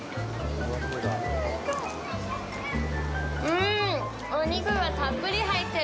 うーん、お肉がたっぷり入ってる。